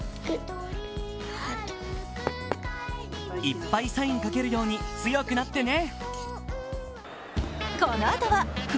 いっぱいサイン書けるように強くなってね。